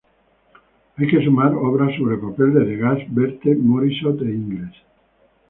Hay que sumar obras sobre papel de Degas, Berthe Morisot e Ingres.